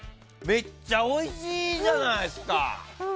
めっちゃおいしいじゃないですか！